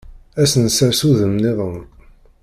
Ad s-nessers udem-nniḍen.